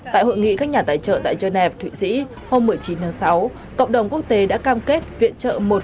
tại hội nghị các nhà tài trợ tại geneva thụy sĩ hôm một mươi chín tháng sáu cộng đồng quốc tế đã cam kết viện trợ một